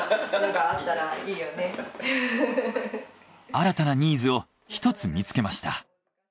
新たなニーズを一つ見つけました。